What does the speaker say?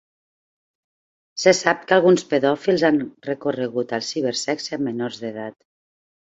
Se sap que alguns pedòfils han recorregut al cibersexe amb menors d'edat.